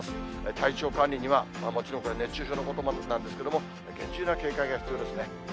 体調管理には、もちろんこれ、熱中症のこともなんですけど、厳重な警戒が必要ですね。